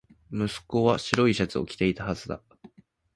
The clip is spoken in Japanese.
息子は白いシャツを着ていたはずだ